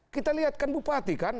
kita lihat kan bupati kan